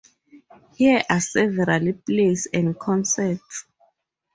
Here are several plays and concerts.